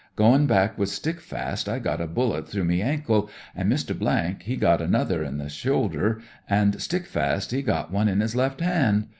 Gom' back with Stickfast I got a bullet through me ankle, an' Mr. , he got another in the shoulder, an' Stickfast, •e got one in his lef ' hand.